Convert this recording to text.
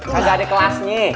saja ada kelasnya